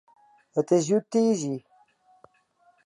It is hjoed tiisdei.